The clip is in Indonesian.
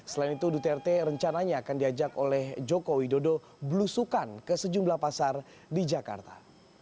selain itu duterte rencananya akan diajak oleh joko widodo belusukan ke sejumlah pasar di jakarta